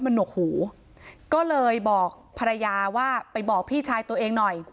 มันหนวกหูก็เลยบอกภรรยาว่าไปบอกพี่ชายตัวเองหน่อย